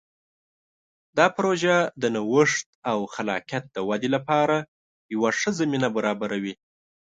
دا پروژه د نوښت او خلاقیت د ودې لپاره یوه ښه زمینه برابروي.